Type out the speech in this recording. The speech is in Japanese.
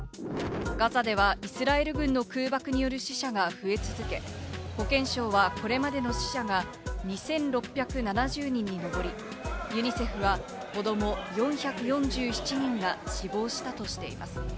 ガザではイスラエル軍の空爆による死者が増え続け、保健省はこれまでの死者が２６７０人にのぼり、ユニセフは子ども４４７人が死亡したとしています。